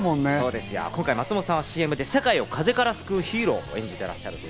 今回、松本さんはＣＭで世界を風邪から救うヒーローを演じています。